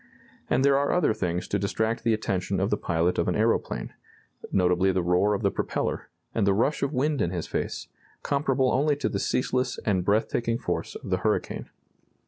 And there are other things to distract the attention of the pilot of an aeroplane notably the roar of the propeller, and the rush of wind in his face, comparable only to the ceaseless and breath taking force of the hurricane.